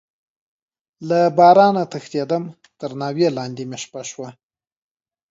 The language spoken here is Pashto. له بارانه تښتيدم، تر ناوې لاندې مې شپه شوه.